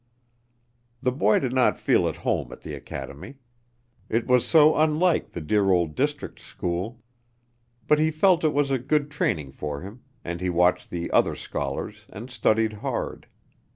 The boy did not feel at home at the academy. It was so unlike the dear old district school. But he felt it was a good training for him, and he watched the older scholars and studied hard.